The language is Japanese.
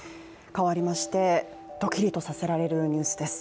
変わりましてドキリとさせられるニュースです。